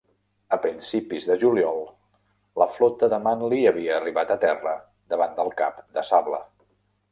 A principis de juliol, la flota de Manley havia arribat a terra davant del Cap de Sable.